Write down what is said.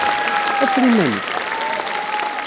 Ffer iman-ik!